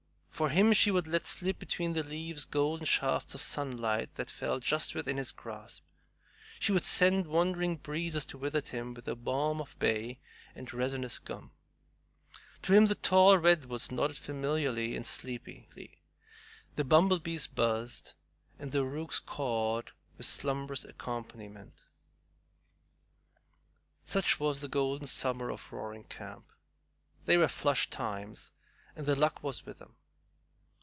For him she would let slip between the leaves golden shafts of sunlight that fell just within his grasp; she would send wandering breezes to visit him with the balm of bay and resinous gum; to him the tall redwoods nodded familiarly and sleepily, the bumblebees buzzed, and the rooks cawed a slumbrous accompaniment. Such was the golden summer of Roaring Camp. They were "flush times," and the luck was with them.